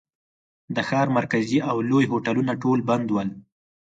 د ښار مرکزي او لوی هوټلونه ټول بند ول.